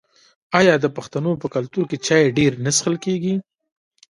آیا د پښتنو په کلتور کې چای ډیر نه څښل کیږي؟